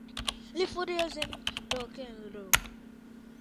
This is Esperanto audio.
Li furoris en rokenrolo.